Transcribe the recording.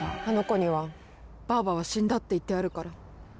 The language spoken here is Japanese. あの子にはばあばは死んだって言ってあるから。